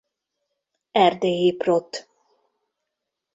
Erdélyi Prot.